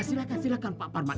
silakan silakan pak parman